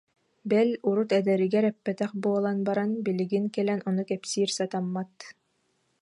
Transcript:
Бэл, урут эдэригэр эппэтэх буолан баран билигин кэлэн ону кэпсиир сатаммат